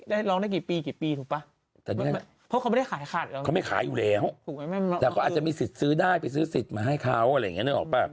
ได้ร้องได้กี่ปีกี่ปีถูกป่ะเพราะเขาไม่ได้ขายขาด